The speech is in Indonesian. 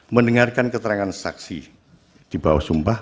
mendengarkan keterangan saksi di bawah sumpah